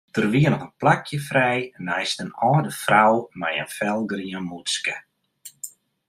Der wie noch in plakje frij neist in âlde frou mei in felgrien mûtske.